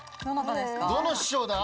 どの師匠だ？